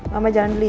mama jalan dulu ya